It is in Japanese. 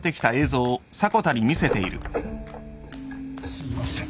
すいません。